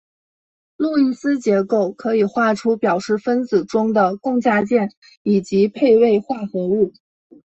路易斯结构可以画出表示分子中的共价键以及配位化合物。